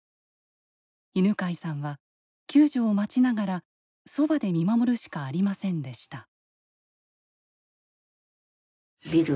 犬飼さんは、救助を待ちながらそばで見守るしかありませんでした。